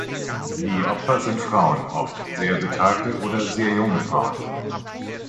Die Opfer sind Frauen, oft sehr betagte oder sehr junge Frauen.